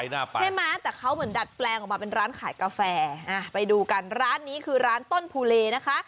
ใช่ไหมแต่เขาเหมือนดัดแปลงออกมาเป็นร้านขายกาแฟไปดูกันร้านนี้คือร้านต้นภูเลนะคะ